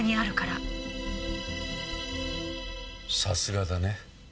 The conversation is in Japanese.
さすがだね。